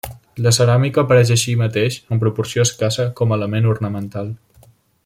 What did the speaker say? La ceràmica apareix així mateix, en proporció escassa, com a element ornamental.